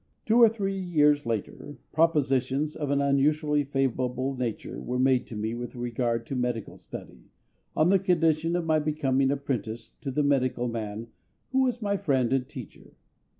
Two or three years later propositions of an unusually favourable nature were made to me with regard to medical study, on the condition of my becoming apprenticed to the medical man who was my friend and teacher.